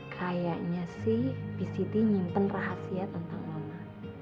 kayaknya sih pct nyimpen rahasia tentang mama